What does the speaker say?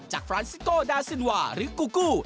ฟรานซิโก้ดาซินวาหรือกูกู้